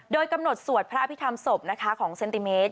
โดยกำหนดสวดพระอภิษฐรรมศพนะคะของเซนติเมตร